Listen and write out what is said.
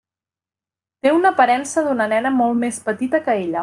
Té una aparença d'una nena molt més petita que ella.